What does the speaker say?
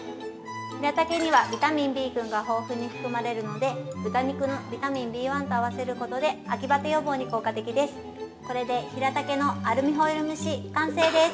ひらたけには、ビタミンＢ群が豊富に含まれるので、豚肉のビタミンＢ１と合わせることで秋ばて予防に効果的です。